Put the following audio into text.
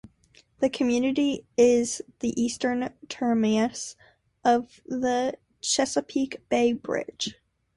The community is the eastern terminus of the Chesapeake Bay Bridge.